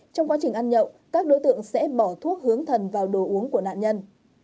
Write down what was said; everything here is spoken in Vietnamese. trong quá trình ăn nhậu các đối tượng sẽ bỏ thuốc hướng thần vào đồ uống của nạn nhân